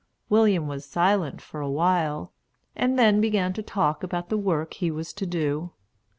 William was silent for a while, and then began to talk about the work he was to do.